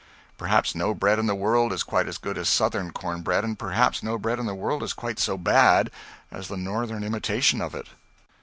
Perhaps no bread in the world is quite as good as Southern corn bread, and perhaps no bread in the world is quite so bad as the Northern imitation of it.